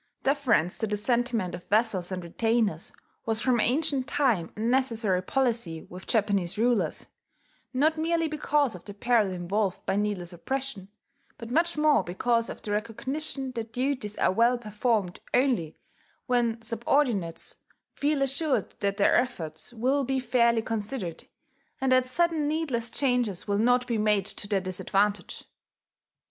Deference to the sentiment of vassals and retainers was from ancient time a necessary policy with Japanese rulers, not merely because of the peril involved by needless oppression, but much more because of the recognition that duties are well performed only when subordinates feel assured that their efforts will be fairly considered, and that sudden needless changes will not be made to their disadvantage.